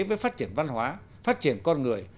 với phát triển văn hóa phát triển con người